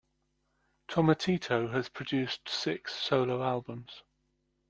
Tomatito has produced six solo albums.